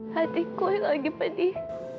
hati ku yang lagi pedih